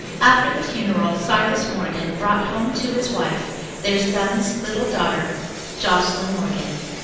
After the funeral Cyrus Morgan brought home to his wife their son's little daughter, Joscelyn Morgan.